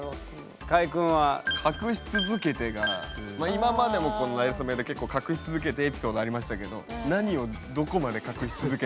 今までもこの「なれそめ」で結構「隠し続けて」エピソードありましたけど何をどこまで隠し続けたのか。